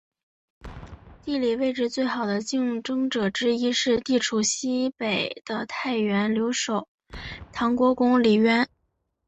地理位置最好的竞争者之一是地处西北的太原留守唐国公李渊。